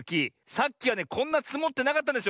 さっきはねこんなつもってなかったんですよ